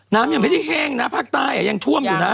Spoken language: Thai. น้ำยังไม่ได้แห้งนะภาคใต้ยังท่วมอยู่นะ